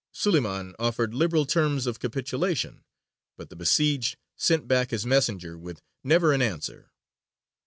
Suleymān offered liberal terms of capitulation, but the besieged sent back his messenger with never an answer.